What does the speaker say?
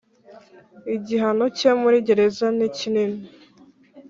igihano cye muri Gereza nikinini